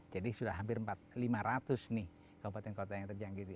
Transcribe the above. jadi sudah hampir lima ratus kabupaten dan kota yang terjangkiti